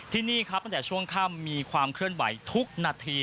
ที่นี่ครับตั้งแต่ช่วงค่ำมีความเคลื่อนไหวทุกนาที